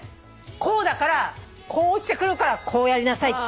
こうだからこう落ちてくるからこうやりなさいっていう。